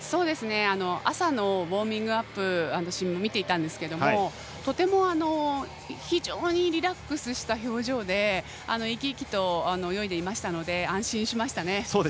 朝のウォーミングアップ私、見ていたんですがとてもリラックスした表情で生き生き泳いでいたので安心しましたね。